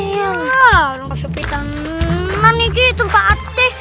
ya orang orang seperti teman gitu pak ate